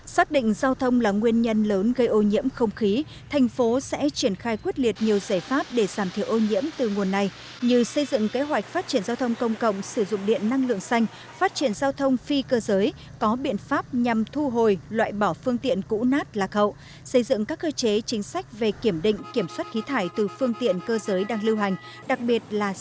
xác định giao thông là nguyên nhân lớn gây ô nhiễm không khí